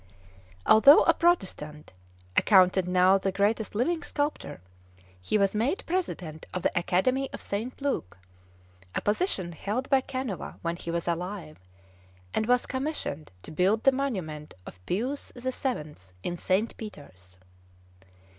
Although a Protestant, accounted now the greatest living sculptor, he was made president of the Academy of St. Luke, a position held by Canova when he was alive, and was commissioned to build the monument of Pius VII. in St. Peters.